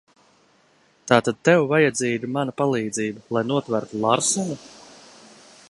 Tātad tev vajadzīga mana palīdzība, lai notvertu Larsenu?